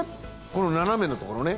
この斜めのところね。